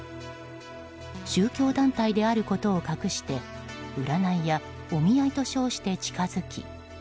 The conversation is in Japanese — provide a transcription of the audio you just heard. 宗教団体であることを隠して占いやお見合いと称して近づき